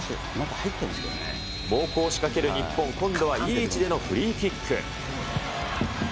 猛攻を仕掛ける日本、今度はいい位置でのフリーキック。